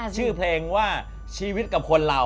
ชื่อเพลงว่าชีวิตกับคนเรา